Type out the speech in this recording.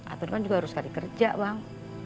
atun kan juga harus sekali kerja bang